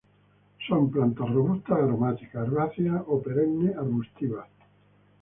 Son plantas robustas, aromáticas, herbáceas o perennes arbustivas.